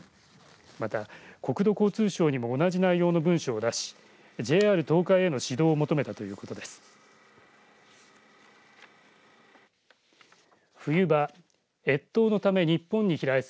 また、交通国土交通省にも同じ内容の文書を出しＪＲ東海への指導を求めたということです。